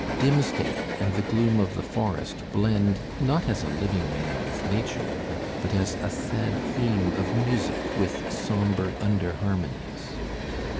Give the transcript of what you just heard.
Dimmesdale and the gloom of the forest blend not as a living man with nature but as a sad theme of music with sombre under harmonies.